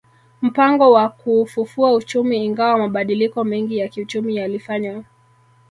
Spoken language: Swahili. Mpango wa kuufufua uchumi Ingawa mabadiliko mengi ya kiuchumi yalifanywa